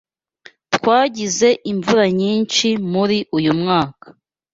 Twagize imvura nyinshi muri uyu mwaka.